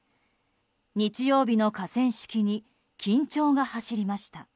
日曜日の河川敷に緊張が走りました。